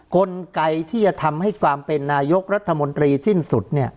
กลไกที่จะทำให้ความเป็นนายกรัฐมนตรีสิ้นสุด